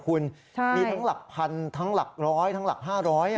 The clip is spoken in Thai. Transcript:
คุณมีทั้งหลักพันธุ์ทั้งหลักร้อยทั้งหลักห้าร้อย